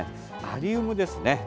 アリウムですね。